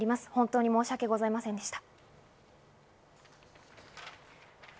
本当に申し訳ございませんでした。